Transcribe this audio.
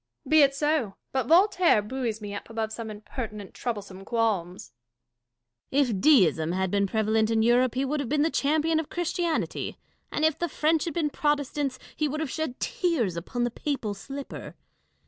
Catharine. Be it so ; but Yoltaire buoys me up above some impertinent, troublesome qualms. Dashkof. If Deism had been prevalent in Europe, he would have been the champion of Christianity ; and if the French had been Protestants, he would have shed tears upon the papal slipper.